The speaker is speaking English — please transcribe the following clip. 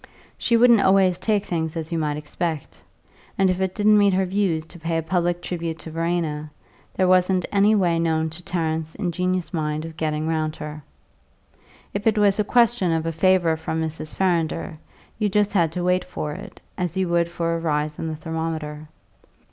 She wouldn't always take things as you might expect, and if it didn't meet her views to pay a public tribute to Verena, there wasn't any way known to Tarrant's ingenious mind of getting round her. If it was a question of a favour from Mrs. Farrinder, you just had to wait for it, as you would for a rise in the thermometer.